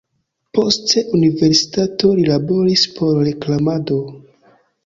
Post universitato li laboris por reklamado.